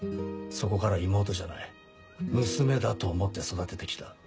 そこからは妹じゃない娘だと思って育てて来た。